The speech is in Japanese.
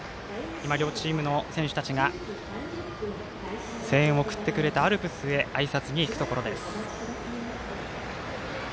今、両チームの選手たちが声援を送ってくれたアルプスへあいさつに行くところです。